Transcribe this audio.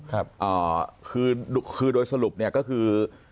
คือโดยสรุปเนี่ยก็คือ